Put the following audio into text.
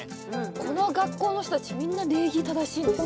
この学校の人たちみんな礼儀正しいんです